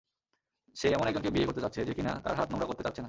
সে এমন একজনকে বিয়ে করতে যাচ্ছে, যেকিনা তার হাত নোংরা করতে চাচ্ছে না।